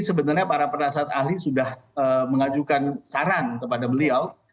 sebenarnya para penasihat ahli sudah mengajukan saran kepada beliau